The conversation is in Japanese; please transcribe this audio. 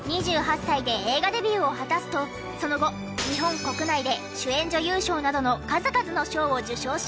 ２８歳で映画デビューを果たすとその後日本国内で主演女優賞などの数々の賞を受賞し。